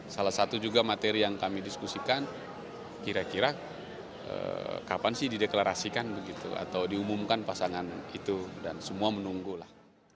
salah satu juga materi yang kami diskusikan kira kira kapan sih dideklarasikan begitu atau diumumkan pasangan itu dan semua menunggulah